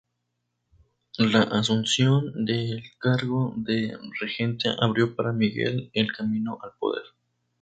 La asunción del cargo de regente abrió para Miguel el camino al poder.